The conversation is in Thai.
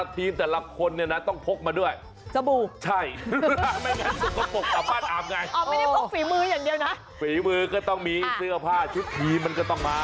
ฝีมือก็ต้องมีเสื้อผ้าชิ้นทีมันก็ต้องมา